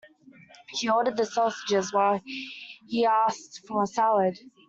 She ordered the sausages while he asked for a salad.